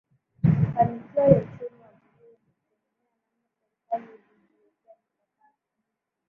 Mafanikio ya uchumi wa buluu yanategema namna serikali ilivyojiwekea mikakati